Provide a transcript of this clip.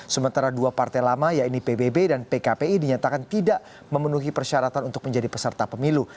sementara dua partai lama yaitu pbb dan pkpi dinyatakan tidak memenuhi persyaratan untuk menjadi peserta pemilu